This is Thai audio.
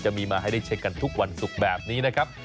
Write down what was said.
จะมีมาให้ได้เช็คกันทุกวันศุกร์แบบนี้นะครับ